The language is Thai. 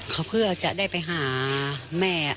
เขาเพื่อจะได้ไปหาแม่